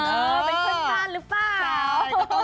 เป็นเพื่อนบ้านหรือเปล่า